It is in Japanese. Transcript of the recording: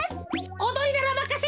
おどりならまかせとけ。